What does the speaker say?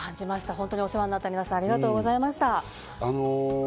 本当にお世話になった皆さん、ありがとうございました。